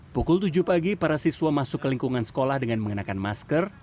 pukul tujuh pagi para siswa masuk ke lingkungan sekolah dengan mengenakan masker